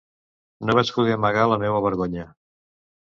No vaig poder amagar la meua vergonya.